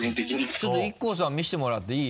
ちょっとＩＫＫＯさん見せてもらっていい？